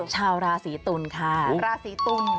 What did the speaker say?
ชาวราศีตุลค่ะราศีตุล